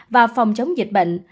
và phòng chống dịch bệnh